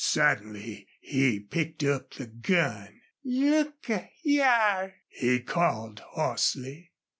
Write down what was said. Suddenly he picked up the gun. "Look a hyar!" he called, hoarsely.